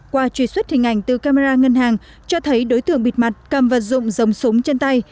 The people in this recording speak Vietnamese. qua truy xuất hình ảnh từ camera ngân hàng cho thấy đối tượng bịt mặt cầm vật dụng giống súng trên tay